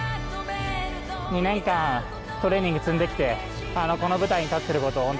２年間トレーニング積んできてこの舞台に立っていること